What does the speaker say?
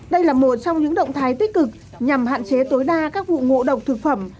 đây là một trong những động thái tích cực nhằm hạn chế tối đa các vụ ngộ độc thực phẩm